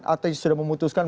atau sudah memutuskan